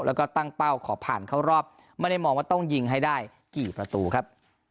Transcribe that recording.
แล้วก็ตั้งเป้าขอผ่านเข้ารอบไม่ได้มองว่าต้องยิงให้ได้กี่ประตูครับ